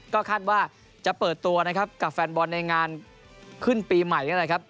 ก็คาดว่าจะเปิดตัวกับแฟนบอลในงานขึ้นปีใหม่